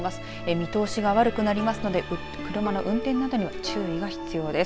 見通しが悪くなりますので車の運転などには注意が必要です。